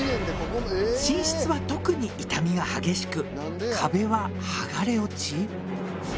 寝室は特に傷みが激しく壁は剥がれ落ち。